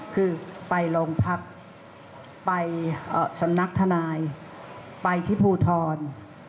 คือไปโรงพักไปสำนักทนายไปที่ภูทร